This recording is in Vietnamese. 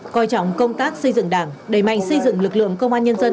coi trọng công tác xây dựng đảng đẩy mạnh xây dựng lực lượng công an nhân dân